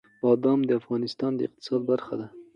بادام د افغانستان د اقتصاد برخه ده.